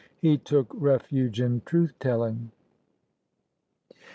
He took refuge in truth telling.